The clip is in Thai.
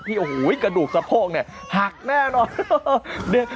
ที่โอ้โหกระดูกสะโพกเนี่ยหักแน่นอน